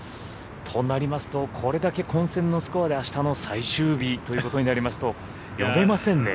となりますとこれだけ混戦のスコアで明日の最終日となりますと読めませんね。